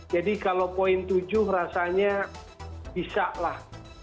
jadi kalau poin tujuh rasanya bisa lah